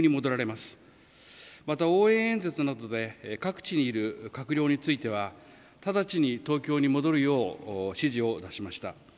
また、応援演説などで各地にいる官僚については直ちに東京に戻るよう指示を出しました。